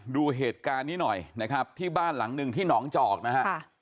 ดูเหตุการณ์นี้หน่อยนะครับที่บ้านหลังหนึ่งที่หนองจอกนะฮะ